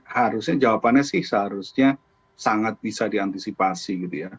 harusnya jawabannya sih seharusnya sangat bisa diantisipasi